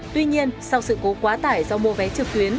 tuy nhiên sau sự cố quá tải do mua vé trực tuyến